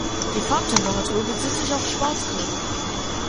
Die Farbtemperatur bezieht sich auf Schwarzkörper.